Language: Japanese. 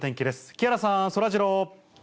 木原さん、そらジロー。